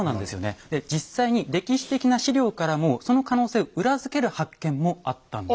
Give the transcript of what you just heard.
実際に歴史的な史料からもその可能性を裏付ける発見もあったんです。